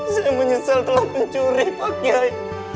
saya menyesal telah mencuri pak kiai